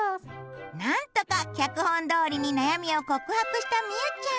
何とか脚本どおりに悩みを告白したみうちゃん。